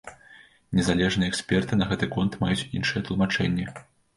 Незалежныя эксперты на гэты конт маюць іншыя тлумачэнні.